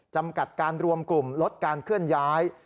จำกัดการรวมกลุ่มลดการเคลื่อนย้าย